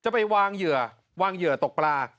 จะไปวางเหยื่อตกปลา